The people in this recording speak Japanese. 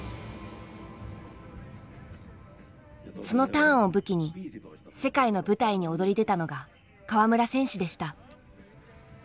そのターンを武器に世界の舞台に躍り出たのが川村選手でした。